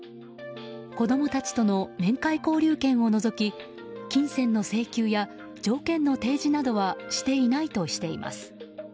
子供たちとの面会交流権を除き金銭の請求や条件の提示などはしていないとしています。